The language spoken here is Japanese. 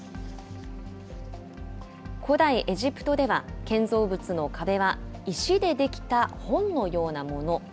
古代エジプトでは、建造物の壁は石で出来た本のようなもの。